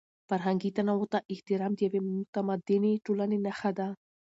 فرهنګي تنوع ته احترام د یوې متمدنې ټولنې نښه ده.